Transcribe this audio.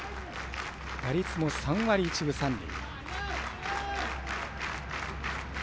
打率も３割１分３厘。